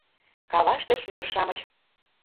КАВАШТЕ ШӰДЫР-ШАМЫЧ